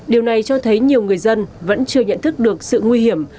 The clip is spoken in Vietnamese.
điều này cho thấy nhiều người dân vẫn chưa nhận thức được sự nguy hiểm